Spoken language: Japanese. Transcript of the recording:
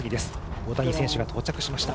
大谷選手が到着しました